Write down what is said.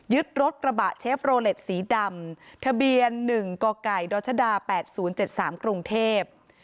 รถกระบะเชฟโรเล็ตสีดำทะเบียน๑กกดชด๘๐๗๓กรุงเทพ